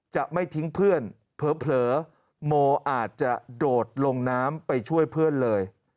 จะไม่ทิ้งเพื่อนเผลอโมอาจจะโดดลงน้ำไปช่วยเพื่อนเลย